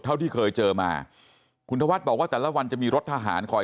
เท่าที่เคยเจอมาคุณธวัฒน์บอกว่าแต่ละวันจะมีรถทหารคอย